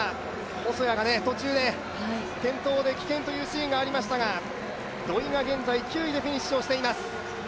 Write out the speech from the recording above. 細谷が途中で転倒で棄権というシーンがありましたが、土井が現在９位でフィニッシュしています。